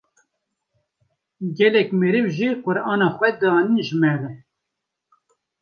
Gelek meriv jî Qu’rana xwe dianîn ji min re.